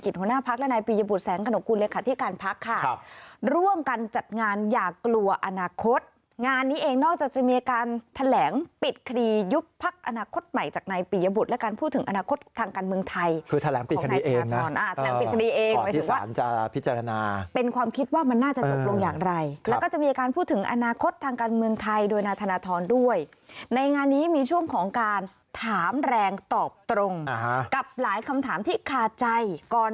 คุณผู้นิกฤติคุณผู้นิกฤติคุณผู้นิกฤติคุณผู้นิกฤติคุณผู้นิกฤติคุณผู้นิกฤติคุณผู้นิกฤติคุณผู้นิกฤติคุณผู้นิกฤติคุณผู้นิกฤติคุณผู้นิกฤติคุณผู้นิกฤติคุณผู้นิกฤติคุณผู้นิกฤติคุณผู้นิดหน้าคุณผู้นิกฤติคุณผู้นิกฤติคุณ